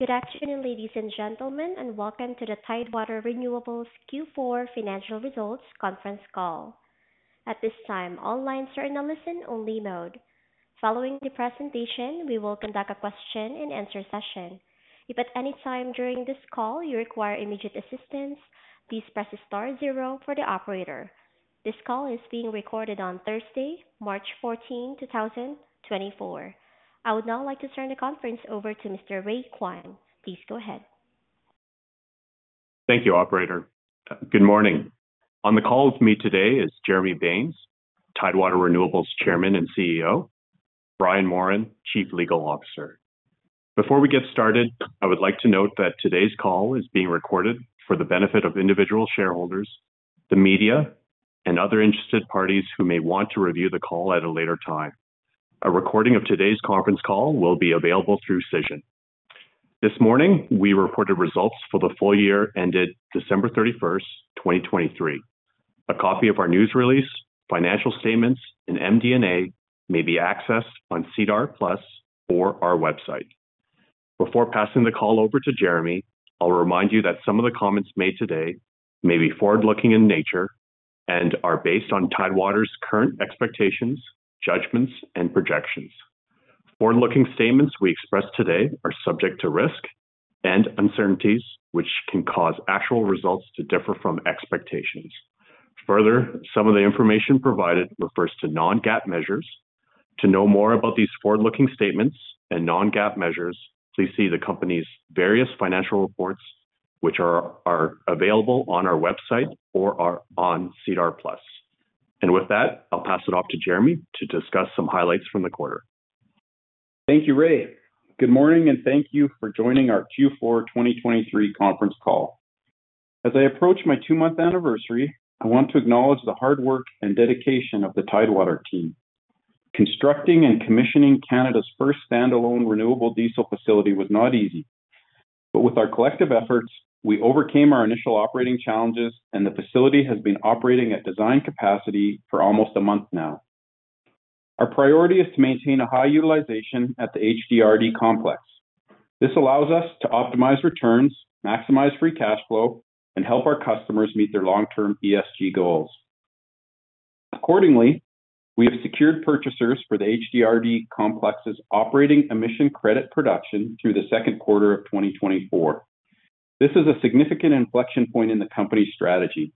Good afternoon, ladies and gentlemen, and welcome to the Tidewater Renewables Q4 financial results conference call. At this time, all lines are in a listen-only mode. Following the presentation, we will conduct a question-and-answer session. If at any time during this call you require immediate assistance, please press star zero for the operator. This call is being recorded on Thursday, March 14, 2024. I would now like to turn the conference over to Mr. Ray Kwan. Please go ahead. Thank you, Operator. Good morning. On the call with me today is Jeremy Baines, Tidewater Renewables Chairman and CEO, Brian Moran, Chief Legal Officer. Before we get started, I would like to note that today's call is being recorded for the benefit of individual shareholders, the media, and other interested parties who may want to review the call at a later time. A recording of today's conference call will be available through Cision. This morning, we reported results for the full year ended December 31, 2023. A copy of our news release, financial statements, and MD&A may be accessed on SEDAR+ or our website. Before passing the call over to Jeremy, I'll remind you that some of the comments made today may be forward-looking in nature and are based on Tidewater's current expectations, judgments, and projections. Forward-looking statements we express today are subject to risk and uncertainties, which can cause actual results to differ from expectations. Further, some of the information provided refers to non-GAAP measures. To know more about these forward-looking statements and non-GAAP measures, please see the company's various financial reports, which are available on our website or on SEDAR+. With that, I'll pass it off to Jeremy to discuss some highlights from the quarter. Thank you, Ray. Good morning, and thank you for joining our Q4 2023 conference call. As I approach my 2-month anniversary, I want to acknowledge the hard work and dedication of the Tidewater team. Constructing and commissioning Canada's first standalone renewable diesel facility was not easy, but with our collective efforts, we overcame our initial operating challenges, and the facility has been operating at design capacity for almost a month now. Our priority is to maintain a high utilization at the HDRD complex. This allows us to optimize returns, maximize free cash flow, and help our customers meet their long-term ESG goals. Accordingly, we have secured purchasers for the HDRD complex's operating emission credit production through the second quarter of 2024. This is a significant inflection point in the company's strategy.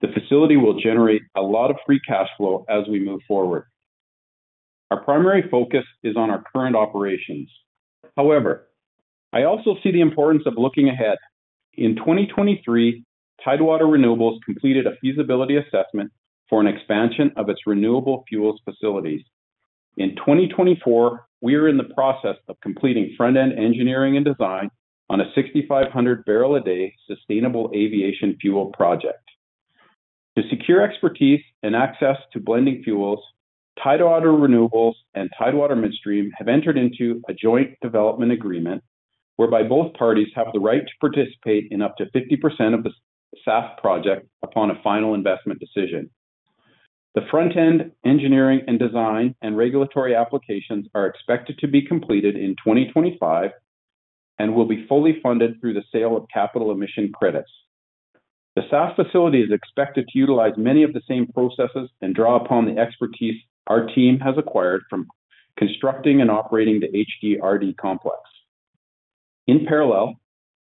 The facility will generate a lot of free cash flow as we move forward. Our primary focus is on our current operations. However, I also see the importance of looking ahead. In 2023, Tidewater Renewables completed a feasibility assessment for an expansion of its renewable fuels facilities. In 2024, we are in the process of completing front-end engineering and design on a 6,500-barrel-a-day sustainable aviation fuel project. To secure expertise and access to blending fuels, Tidewater Renewables and Tidewater Midstream have entered into a joint development agreement whereby both parties have the right to participate in up to 50% of the SAF project upon a final investment decision. The front-end engineering and design and regulatory applications are expected to be completed in 2025 and will be fully funded through the sale of capital emission credits. The SAF facility is expected to utilize many of the same processes and draw upon the expertise our team has acquired from constructing and operating the HDRD Complex. In parallel,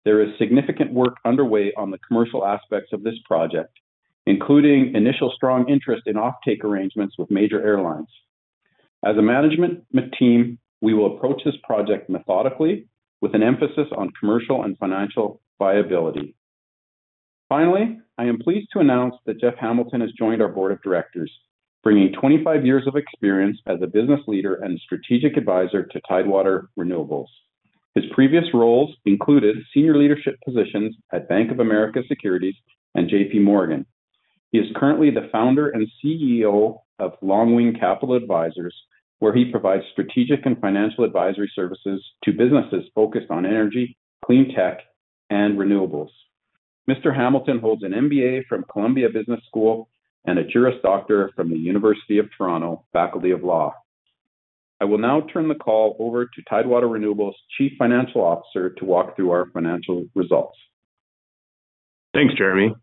there is significant work underway on the commercial aspects of this project, including initial strong interest in offtake arrangements with major airlines. As a management team, we will approach this project methodically with an emphasis on commercial and financial viability. Finally, I am pleased to announce that Jeff Hamilton has joined our board of directors, bringing 25 years of experience as a business leader and strategic advisor to Tidewater Renewables. His previous roles included senior leadership positions at Bank of America Securities and J.P. Morgan. He is currently the founder and CEO of Longwing Capital Advisors, where he provides strategic and financial advisory services to businesses focused on energy, clean tech, and renewables. Mr. Hamilton holds an MBA from Columbia Business School and a Juris Doctor from the University of Toronto Faculty of Law. I will now turn the call over to Tidewater Renewables' Chief Financial Officer to walk through our financial results. Thanks, Jeremy.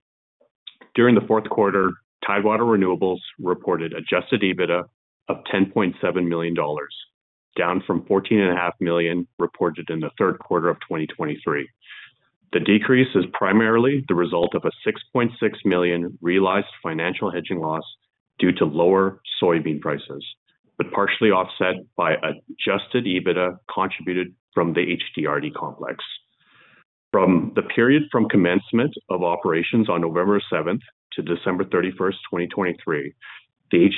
During the fourth quarter, Tidewater Renewables reported Adjusted EBITDA of 10.7 million dollars, down from 14.5 million reported in the third quarter of 2023. The decrease is primarily the result of a 6.6 million realized financial hedging loss due to lower soybean prices, but partially offset by Adjusted EBITDA contributed from the HDRD complex. From the period from commencement of operations on November 7th to December 31st, 2023, the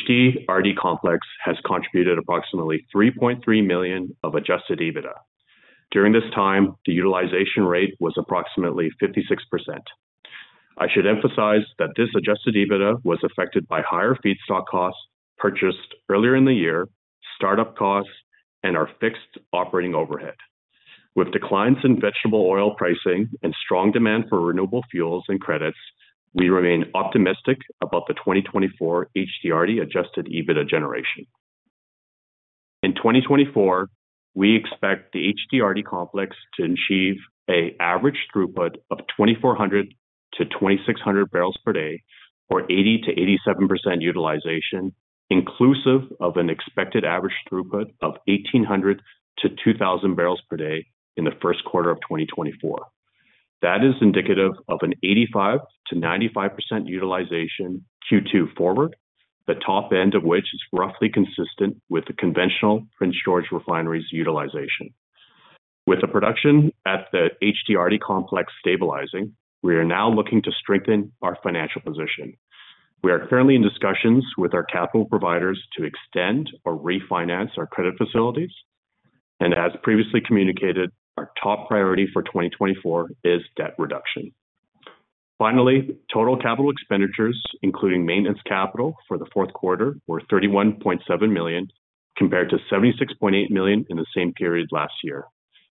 HDRD complex has contributed approximately 3.3 million of Adjusted EBITDA. During this time, the utilization rate was approximately 56%. I should emphasize that this Adjusted EBITDA was affected by higher feedstock costs purchased earlier in the year, startup costs, and our fixed operating overhead. With declines in vegetable oil pricing and strong demand for renewable fuels and credits, we remain optimistic about the 2024 HDRD Adjusted EBITDA generation. In 2024, we expect the HDRD complex to achieve an average throughput of 2,400-2,600 barrels per day, or 80%-87% utilization, inclusive of an expected average throughput of 1,800-2,000 barrels per day in the first quarter of 2024. That is indicative of an 85%-95% utilization Q2 forward, the top end of which is roughly consistent with the conventional Prince George refineries' utilization. With the production at the HDRD complex stabilizing, we are now looking to strengthen our financial position. We are currently in discussions with our capital providers to extend or refinance our credit facilities. As previously communicated, our top priority for 2024 is debt reduction. Finally, total capital expenditures, including maintenance capital for the fourth quarter, were 31.7 million compared to 76.8 million in the same period last year.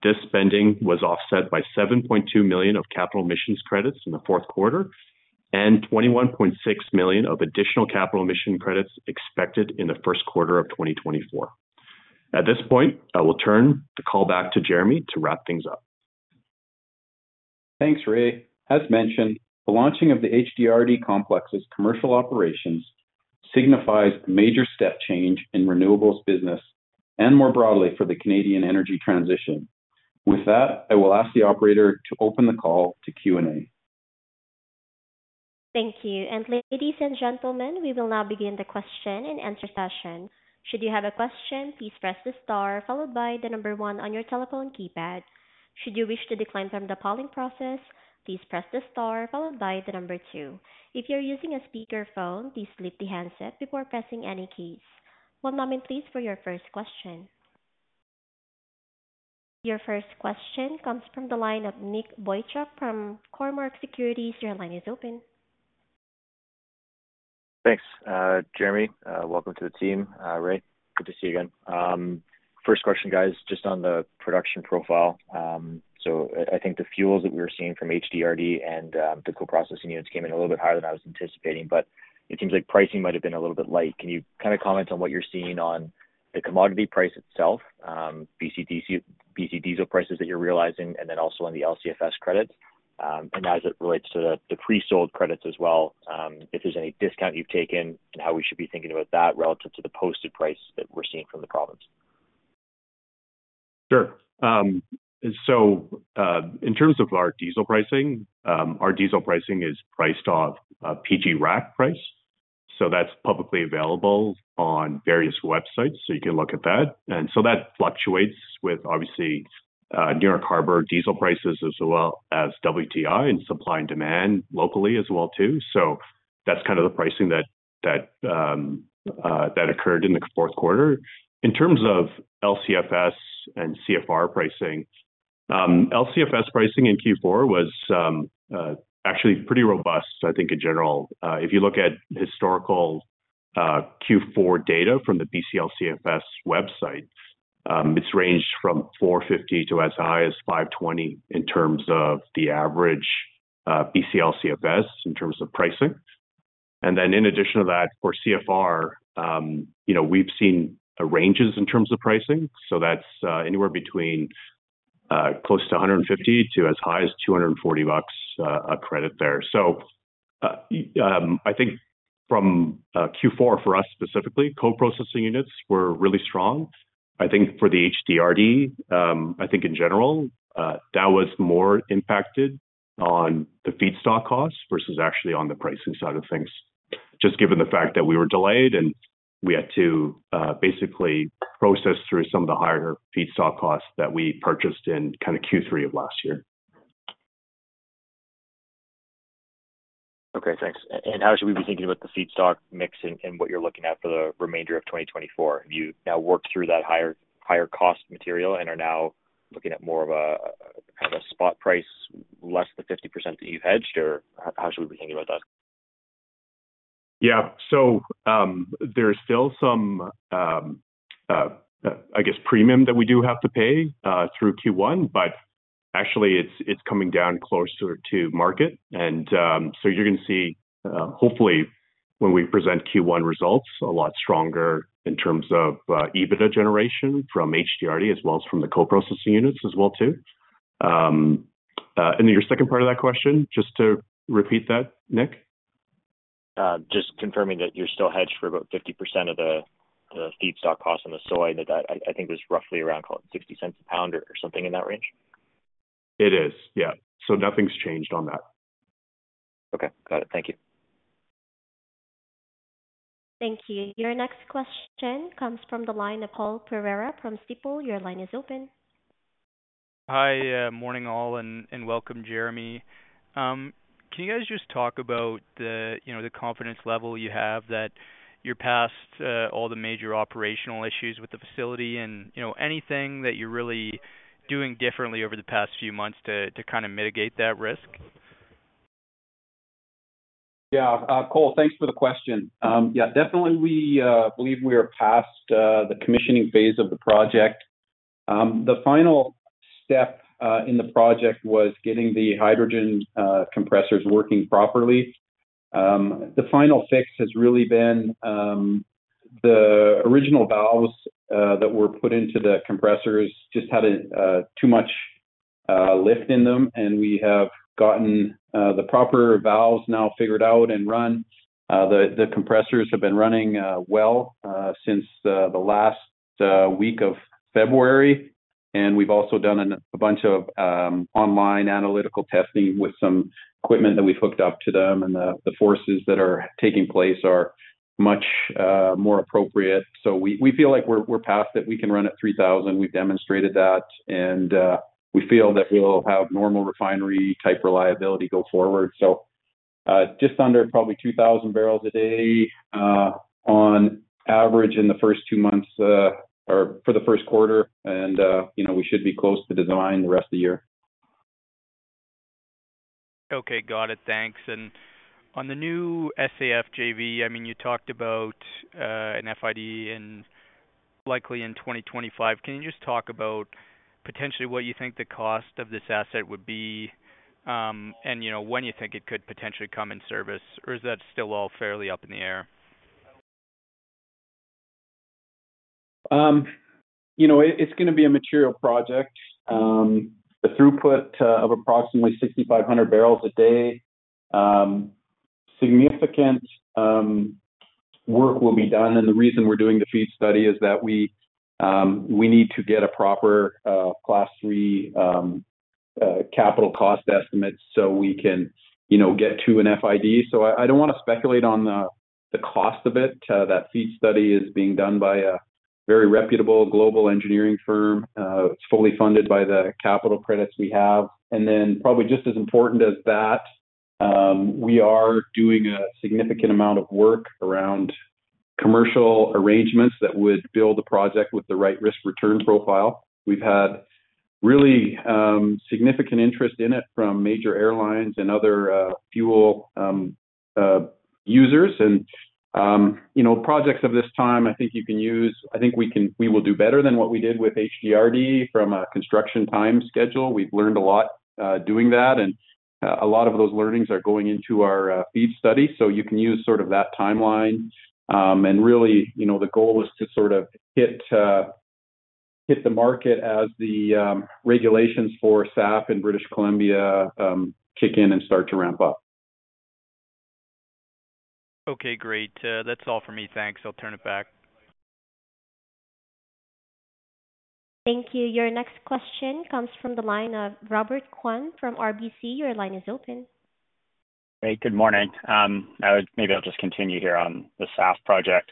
This spending was offset by 7.2 million of capital emission credits in the fourth quarter and 21.6 million of additional capital emission credits expected in the first quarter of 2024. At this point, I will turn the call back to Jeremy to wrap things up. Thanks, Ray. As mentioned, the launching of the HDRD Complex's commercial operations signifies a major step change in renewables business and more broadly for the Canadian energy transition. With that, I will ask the operator to open the call to Q&A. Thank you. Ladies and gentlemen, we will now begin the question-and-answer session. Should you have a question, please press the star followed by the number one on your telephone keypad. Should you wish to decline from the polling process, please press the star followed by the number two. If you're using a speakerphone, please lift the handset before pressing any keys. One moment, please, for your first question. Your first question comes from the line of Nick Boychuk from Cormark Securities. Your line is open. Thanks, Jeremy. Welcome to the team. Ray, good to see you again. First question, guys, just on the production profile. So I think the fuels that we were seeing from HDRD and the co-processing units came in a little bit higher than I was anticipating, but it seems like pricing might have been a little bit light. Can you kind of comment on what you're seeing on the commodity price itself, BC diesel prices that you're realizing, and then also on the LCFS credits? And as it relates to the pre-sold credits as well, if there's any discount you've taken and how we should be thinking about that relative to the posted price that we're seeing from the province. Sure. So in terms of our diesel pricing, our diesel pricing is priced off PG Rack price. So that's publicly available on various websites, so you can look at that. And so that fluctuates with, obviously, New York Harbor diesel prices as well as WTI and supply and demand locally as well too. So that's kind of the pricing that occurred in the fourth quarter. In terms of LCFS and CFR pricing, LCFS pricing in Q4 was actually pretty robust, I think, in general. If you look at historical Q4 data from the BC LCFS website, it's ranged from $450-$520 in terms of the average BC LCFS in terms of pricing. And then in addition to that, for CFR, we've seen ranges in terms of pricing. So that's anywhere between close to $150-$240 bucks a credit there. So I think from Q4, for us specifically, co-processing units were really strong. I think for the HDRD, I think in general, that was more impacted on the feedstock costs versus actually on the pricing side of things, just given the fact that we were delayed and we had to basically process through some of the higher feedstock costs that we purchased in kind of Q3 of last year. Okay, thanks. How should we be thinking about the feedstock mix and what you're looking at for the remainder of 2024? Have you now worked through that higher cost material and are now looking at more of a kind of a spot price, less than 50% that you've hedged, or how should we be thinking about that? Yeah, so there's still some, I guess, premium that we do have to pay through Q1, but actually, it's coming down closer to market. And so you're going to see, hopefully, when we present Q1 results, a lot stronger in terms of EBITDA generation from HDRD as well as from the co-processing units as well too. And then your second part of that question, just to repeat that, Nick? Just confirming that you're still hedged for about 50% of the feedstock costs on the soy that I think was roughly around, call it, $0.60 a pound or something in that range. It is, yeah. So nothing's changed on that. Okay, got it. Thank you. Thank you. Your next question comes from the line of Cole Pereira from Stifel. Your line is open. Hi, morning all, and welcome, Jeremy. Can you guys just talk about the confidence level you have that you're past all the major operational issues with the facility and anything that you're really doing differently over the past few months to kind of mitigate that risk? Yeah, Cole, thanks for the question. Yeah, definitely, we believe we are past the commissioning phase of the project. The final step in the project was getting the hydrogen compressors working properly. The final fix has really been the original valves that were put into the compressors just had too much lift in them. And we have gotten the proper valves now figured out and run. The compressors have been running well since the last week of February. And we've also done a bunch of online analytical testing with some equipment that we've hooked up to them. And the forces that are taking place are much more appropriate. So we feel like we're past it. We can run at 3,000. We've demonstrated that. And we feel that we'll have normal refinery-type reliability go forward. Just under probably 2,000 barrels a day on average in the first two months or for the first quarter. We should be close to design the rest of the year. Okay, got it. Thanks. And on the new SAF JV, I mean, you talked about an FID likely in 2025. Can you just talk about potentially what you think the cost of this asset would be and when you think it could potentially come in service? Or is that still all fairly up in the air? It's going to be a material project. A throughput of approximately 6,500 barrels a day. Significant work will be done. The reason we're doing the FEED study is that we need to get a proper Class III Capital Cost Estimate so we can get to an FID. So I don't want to speculate on the cost of it. That FEED study is being done by a very reputable global engineering firm. It's fully funded by the capital credits we have. Then probably just as important as that, we are doing a significant amount of work around commercial arrangements that would build a project with the right risk-return profile. We've had really significant interest in it from major airlines and other fuel users. And projects of this time, I think you can use. I think we will do better than what we did with HDRD from a construction time schedule. We've learned a lot doing that. And a lot of those learnings are going into our FEED study. So you can use sort of that timeline. And really, the goal is to sort of hit the market as the regulations for SAF in British Columbia kick in and start to ramp up. Okay, great. That's all for me. Thanks. I'll turn it back. Thank you. Your next question comes from the line of Robert Kwan from RBC. Your line is open. Hey, good morning. Maybe I'll just continue here on the SAF project.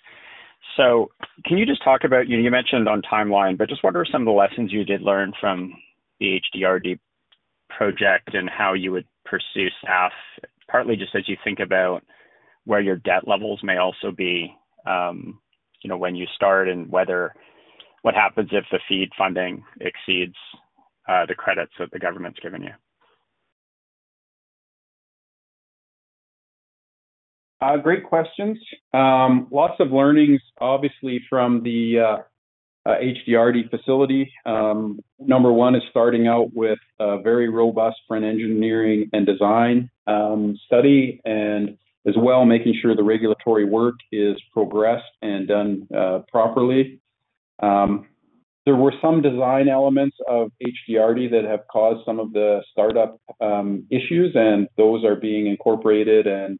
So can you just talk about the timeline you mentioned, but I just wonder some of the lessons you did learn from the HDRD project and how you would pursue SAF, partly just as you think about where your debt levels may also be when you start and what happens if the FEED funding exceeds the credits that the government's given you. Great questions. Lots of learnings, obviously, from the HDRD facility. Number one is starting out with a very robust front engineering and design study and as well making sure the regulatory work is progressed and done properly. There were some design elements of HDRD that have caused some of the startup issues. And those are being incorporated. And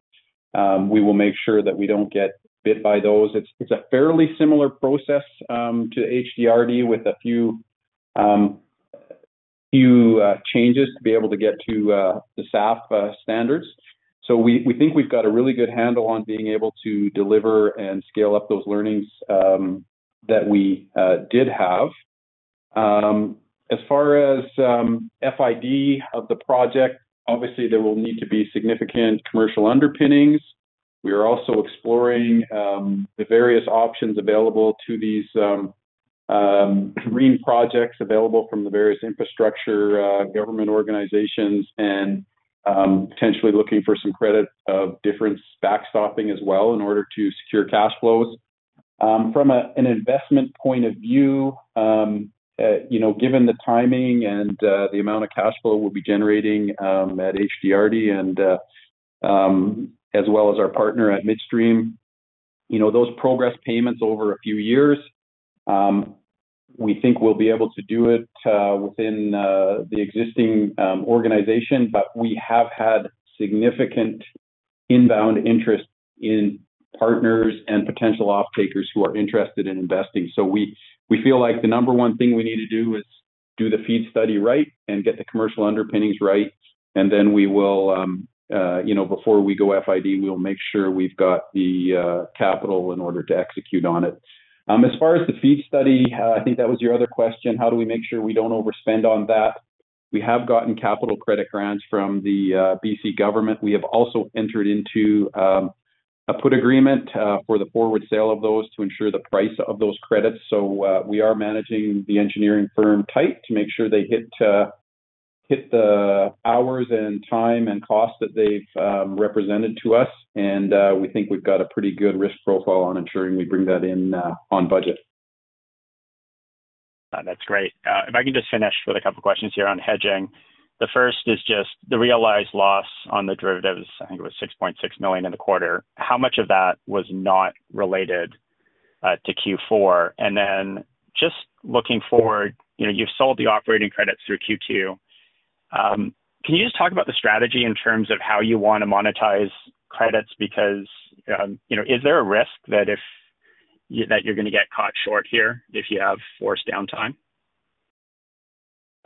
we will make sure that we don't get bit by those. It's a fairly similar process to HDRD with a few changes to be able to get to the SAF standards. So we think we've got a really good handle on being able to deliver and scale up those learnings that we did have. As far as FID of the project, obviously, there will need to be significant commercial underpinnings. We are also exploring the various options available to these green projects available from the various infrastructure government organizations and potentially looking for some credit of different backstopping as well in order to secure cash flows. From an investment point of view, given the timing and the amount of cash flow we'll be generating at HDRD and as well as our partner at Midstream, those progress payments over a few years, we think we'll be able to do it within the existing organization. But we have had significant inbound interest in partners and potential off-takers who are interested in investing. We feel like the number one thing we need to do is do the feed study right and get the commercial underpinnings right. Then we will, before we go FID, we'll make sure we've got the capital in order to execute on it. As far as the feed study, I think that was your other question. How do we make sure we don't overspend on that? We have gotten capital credit grants from the BC government. We have also entered into a put agreement for the forward sale of those to ensure the price of those credits. So we are managing the engineering firm tight to make sure they hit the hours and time and cost that they've represented to us. And we think we've got a pretty good risk profile on ensuring we bring that in on budget. That's great. If I can just finish with a couple of questions here on hedging. The first is just the realized loss on the derivatives. I think it was 6.6 million in the quarter. How much of that was not related to Q4? And then just looking forward, you've sold the operating credits through Q2. Can you just talk about the strategy in terms of how you want to monetize credits? Because is there a risk that you're going to get caught short here if you have forced downtime?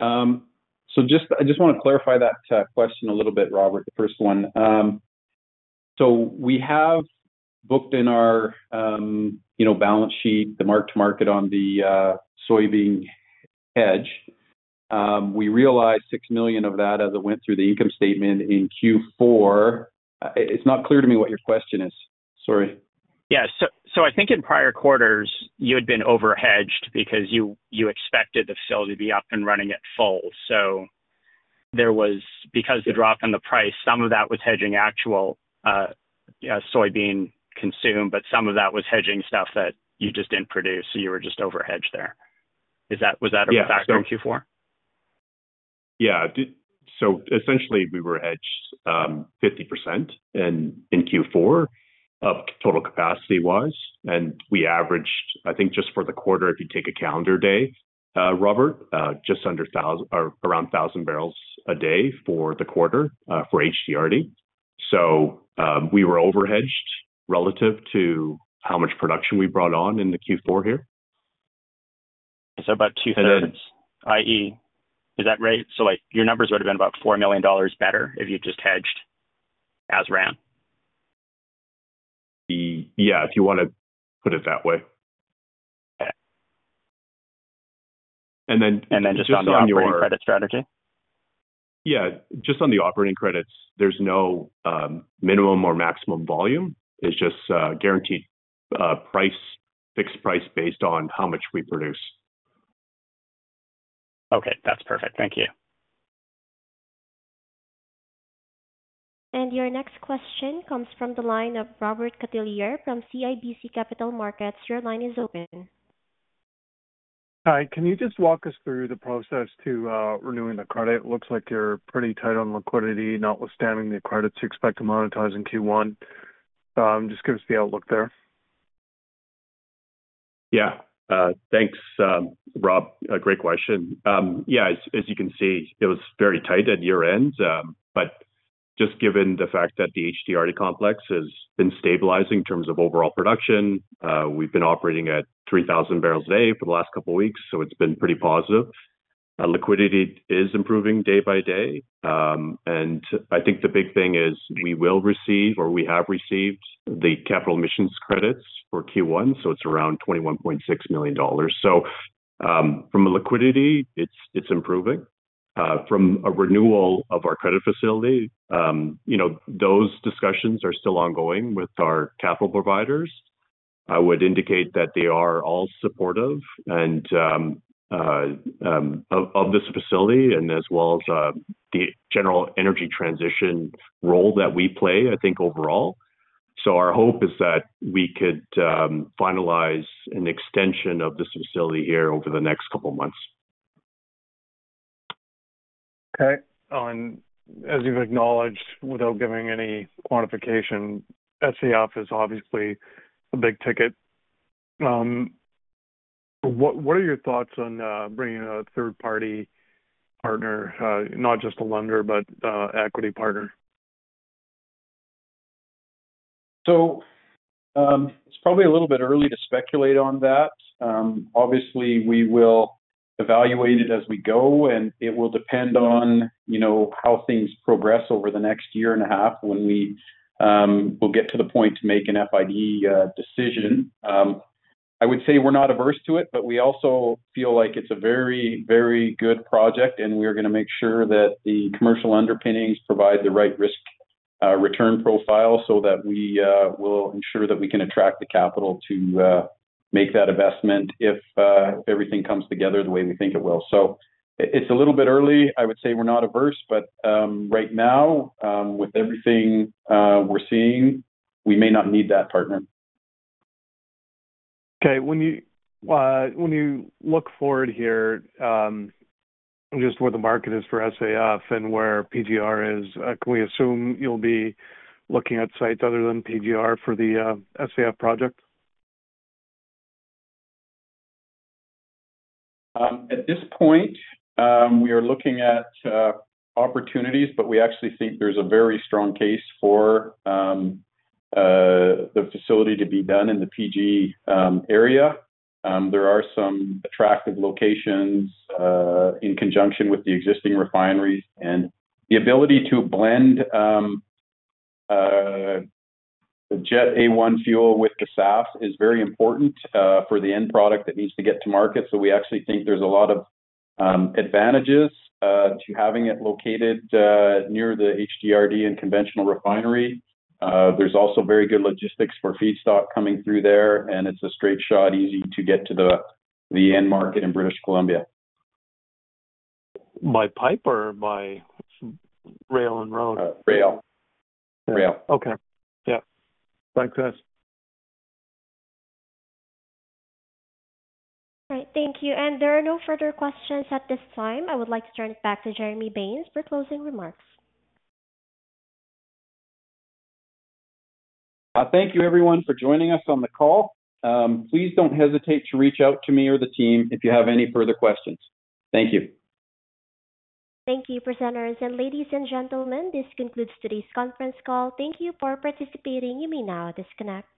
So I just want to clarify that question a little bit, Robert, the first one. So we have booked in our balance sheet, the mark-to-market on the soybean hedge. We realized 6 million of that as it went through the income statement in Q4. It's not clear to me what your question is. Sorry. Yeah, so I think in prior quarters, you had been overhedged because you expected the facility to be up and running at full. So because the drop in the price, some of that was hedging actual soybean consumption, but some of that was hedging stuff that you just didn't produce. So you were just overhedged there. Was that a factor in Q4? Yeah. So essentially, we were hedged 50% in Q4 of total capacity-wise. And we averaged, I think, just for the quarter, if you take a calendar day, Robert, just under around 1,000 barrels a day for the quarter for HDRD. So we were overhedged relative to how much production we brought on in the Q4 here. So about two-thirds, i.e., is that right? So your numbers would have been about $4 million better if you'd just hedged as ran? Yeah, if you want to put it that way. And then. Just on the operating credit strategy? Yeah, just on the operating credits, there's no minimum or maximum volume. It's just guaranteed fixed price based on how much we produce. Okay, that's perfect. Thank you. Your next question comes from the line of Robert Catellier from CIBC Capital Markets. Your line is open. Hi, can you just walk us through the process to renewing the credit? It looks like you're pretty tight on liquidity, notwithstanding the credits you expect to monetize in Q1. Just give us the outlook there. Yeah, thanks, Rob. Great question. Yeah, as you can see, it was very tight at year-end. But just given the fact that the HDRD Complex has been stabilizing in terms of overall production, we've been operating at 3,000 barrels a day for the last couple of weeks. So it's been pretty positive. Liquidity is improving day by day. And I think the big thing is we will receive or we have received the Capital Emission Credits for Q1. So it's around 21.6 million dollars. So from a liquidity, it's improving. From a renewal of our credit facility, those discussions are still ongoing with our capital providers. I would indicate that they are all supportive of this facility and as well as the general energy transition role that we play, I think, overall. Our hope is that we could finalize an extension of this facility here over the next couple of months. Okay. As you've acknowledged, without giving any quantification, SAF is obviously a big ticket. What are your thoughts on bringing a third-party partner, not just a lender, but an equity partner? It's probably a little bit early to speculate on that. Obviously, we will evaluate it as we go. It will depend on how things progress over the next year and a half when we will get to the point to make an FID decision. I would say we're not averse to it, but we also feel like it's a very, very good project. We are going to make sure that the commercial underpinnings provide the right risk-return profile so that we will ensure that we can attract the capital to make that investment if everything comes together the way we think it will. It's a little bit early. I would say we're not averse. But right now, with everything we're seeing, we may not need that partner. Okay. When you look forward here just where the market is for SAF and where PGR is, can we assume you'll be looking at sites other than PGR for the SAF project? At this point, we are looking at opportunities. But we actually think there's a very strong case for the facility to be done in the PG area. There are some attractive locations in conjunction with the existing refineries. And the ability to blend the Jet A-1 fuel with the SAF is very important for the end product that needs to get to market. So we actually think there's a lot of advantages to having it located near the HDRD and conventional refinery. There's also very good logistics for feedstock coming through there. And it's a straight shot, easy to get to the end market in British Columbia. My pipe or by rail and road? Rail. Rail. Okay. Yeah. Thanks, guys. All right. Thank you. There are no further questions at this time. I would like to turn it back to Jeremy Baines for closing remarks. Thank you, everyone, for joining us on the call. Please don't hesitate to reach out to me or the team if you have any further questions. Thank you. Thank you, presenters. Ladies and gentlemen, this concludes today's conference call. Thank you for participating. You may now disconnect.